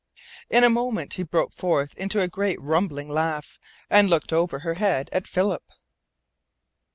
In a moment he broke forth into a great rumbling laugh, and looked over her head at Philip.